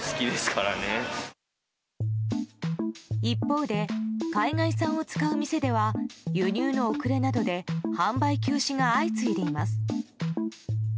一方で海外産を使う店では輸入の遅れなどで販売休止が相次いでいます。